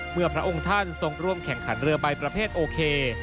พระองค์ท่านทรงร่วมแข่งขันเรือใบประเภทโอเค